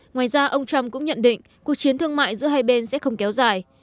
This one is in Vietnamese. ngoài ra ông trump cũng nhận định cuộc chiến thương mại giữa hai bên sẽ không kéo dài